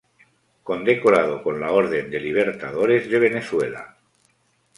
Condecorado con la orden de Libertadores de Venezuela.